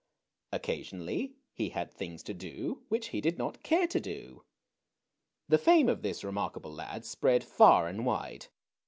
Occasionally lie had things to do which he did not care to do. The fame of this remarkable lad spread far and wide.